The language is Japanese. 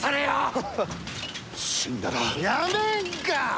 やめんか！